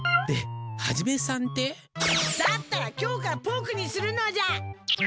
でハジメさんって？だったら今日からポークにするのじゃ！